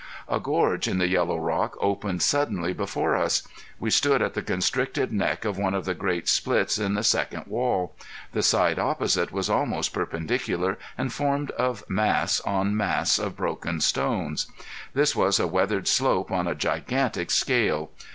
A gorge in the yellow rock opened suddenly before us. We stood at the constricted neck of one of the great splits in the second wall. The side opposite was almost perpendicular, and formed of mass on mass of broken stones. This was a weathered slope on a gigantic scale.